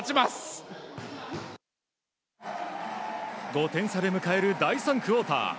５点差で迎える第３クオーター。